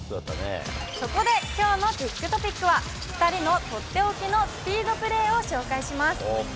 そこできょうのティックトピックは、２人の取って置きのスピードプレーを紹介します。